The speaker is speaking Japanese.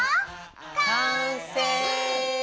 完成！